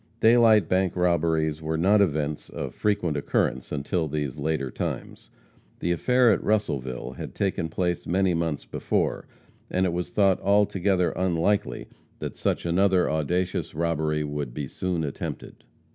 Daylight bank robberies were not events of frequent occurrence until these later times. The affair at Russellville had taken place many months before, and it was thought altogether unlikely that such another audacious robbery would be soon attempted.